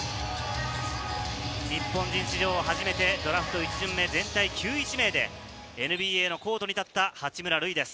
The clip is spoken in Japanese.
日本人史上初めてドラフト１巡目、全体９位指名でＮＢＡのコートに立った八村塁です。